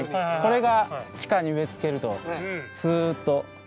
これが地下に植え付けるとスウッと。